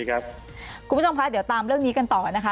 คุณผู้ชมคะเดี๋ยวตามเรื่องนี้กันต่อนะคะ